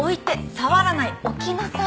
触らない！置きなさい！